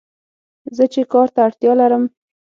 زه چې کار ته اړتیا لرم